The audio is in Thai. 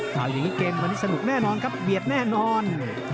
ข่าวอย่างนี้เกมวันนี้สนุกแน่นอนครับเบียดแน่นอน